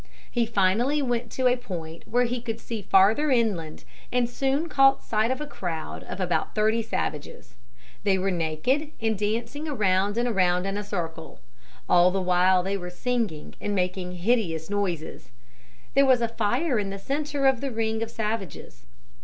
He finally went to a point where he could see farther inland and soon caught sight of a crowd of about thirty savages. They were naked and dancing around and around in a circle. All the while they were singing and making hideous noises. There was a fire in the center of the ring of savages.